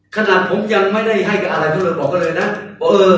ขนาดผมยังไม่ได้ให้กับอะไรทุกคนบอกก็เลยน่ะบอกเออ